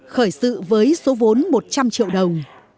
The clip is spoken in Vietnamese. khởi sự với số vốn một trăm linh triệu đồng